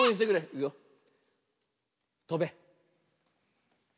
いくよ。とべ。